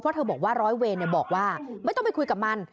เพราะเธอบอกว่าร้อยเวรบอกว่าไม่ต้องไปคุยกับมัน